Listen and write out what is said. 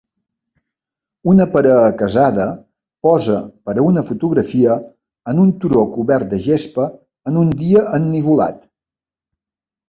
Una parella casada posa per a una fotografia en un turó cobert de gespa en un dia ennuvolat.